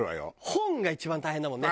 本が一番大変だもんね